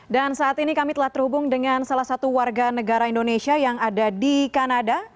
dan saat ini kami telah terhubung dengan salah satu warga negara indonesia yang ada di kanada